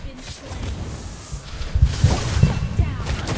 Mientras se dará unos pequeños golpes en el estómago.